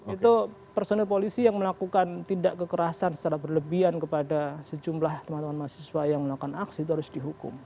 itu personil polisi yang melakukan tindak kekerasan secara berlebihan kepada sejumlah teman teman mahasiswa yang melakukan aksi itu harus dihukum